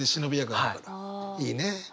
いいねえ。